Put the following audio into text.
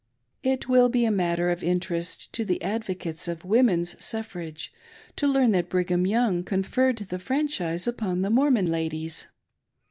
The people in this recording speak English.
It will be a matter of interest to the advocates of women's suffrage to learn that Brigham Young conferred the franchise upon the Mormon ladies.